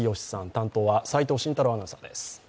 担当は齋藤慎太郎アナウンサーです。